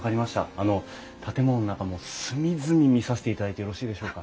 あの建物の中も隅々見させていただいてよろしいでしょうか？